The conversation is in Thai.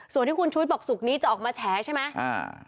ส่วนที่คุณชุวิตบอกศุกร์นี้จะออกมาแฉใช่ไหม